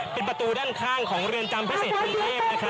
เป็นประตูด้านข้างของเรือนจำพิเศษกรุงเทพ